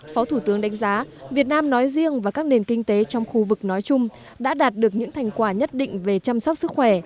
phó thủ tướng đánh giá việt nam nói riêng và các nền kinh tế trong khu vực nói chung đã đạt được những thành quả nhất định về chăm sóc sức khỏe